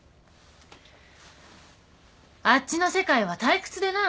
あっちの世界は退屈でな。